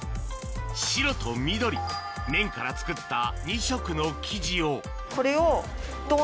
白と緑麺から作った２色の生地をこれを。